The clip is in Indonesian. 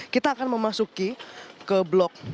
kita akan memasuki ke blok